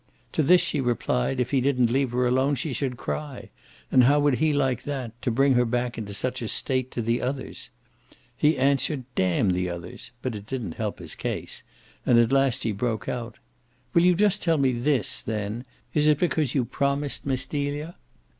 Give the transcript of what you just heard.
To this she replied that if he didn't leave her alone she should cry and how would he like that, to bring her back in such a state to the others? He answered "Damn the others!" but it didn't help his case, and at last he broke out: "Will you just tell me this, then is it because you've promised Miss Delia?"